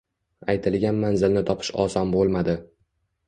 Aytilgan manzilni topish oson bo‘lmadi.